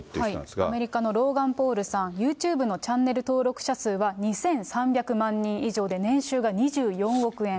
アメリカのローガン・ポールさん、ユーチューブのチャンネル登録者数は２３００万人以上で、年収が２４億円。